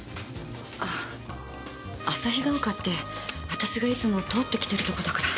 ああ旭ヶ丘って私がいつも通ってきてるところだから。